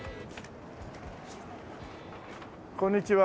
こんにちは。